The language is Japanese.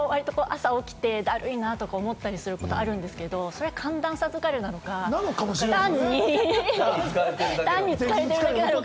日頃、朝起きてだるいなあとか思ったりすることあるんですけど、それは寒暖差疲れなのか、単に疲れてるだけなのか。